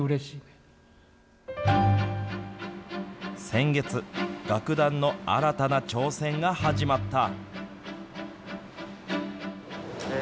先月、楽団の新たな挑戦が始まった。